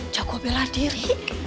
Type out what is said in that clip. jago bela diri